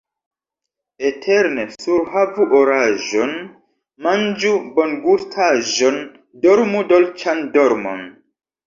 Eterne surhavu oraĵon, manĝu bongustaĵon, dormu dolĉan dormon!